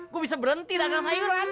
gue bisa berhenti dagang saibu